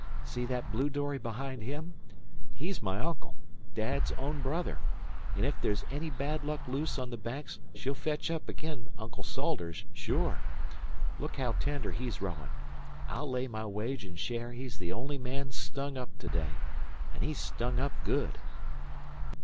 'See that blue dory behind him? He's my uncle, Dad's own brother, an' ef there's any bad luck loose on the Banks she'll fetch up agin Uncle Salters, sure. Look how tender he's rowin'. I'll lay my wage and share he's the only man stung up to day an' he's stung up good."